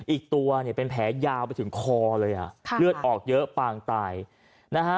อีกตัวเนี่ยเป็นแผลยาวไปถึงคอเลยอ่ะค่ะเลือดออกเยอะปางตายนะฮะ